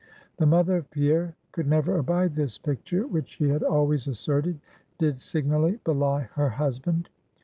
The mother of Pierre could never abide this picture which she had always asserted did signally belie her husband.